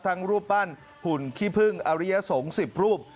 รูปปั้นหุ่นขี้พึ่งอริยสงฆ์๑๐รูป